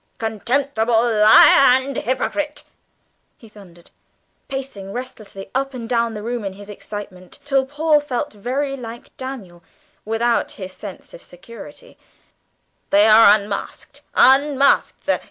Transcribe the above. "Contemptible liar and hypocrite," he thundered, pacing restlessly up and down the room in his excitement, till Paul felt very like Daniel, without his sense of security, "you are unmasked unmasked, sir!